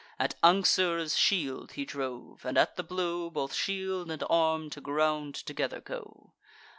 At Anxur's shield he drove; and, at the blow, Both shield and arm to ground together go.